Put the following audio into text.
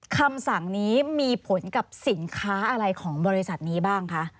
คำสั่งนี้มีผลกับสินค้าอะไรของบริษัทนี้บ้างคะ